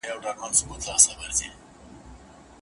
په کلي کي هېچا ناوړه دود نه دی مات کړی.